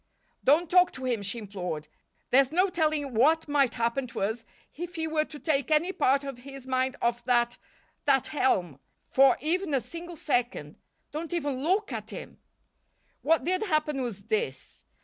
"Don't talk to him," she implored. "There's no telling what might happen to us if he were to take any part of his mind off that that helm, for even a single second. Don't even look at him." What did happen was this.